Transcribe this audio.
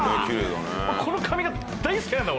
この髪形大好きなんだ